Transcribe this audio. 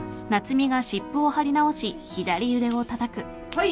はい。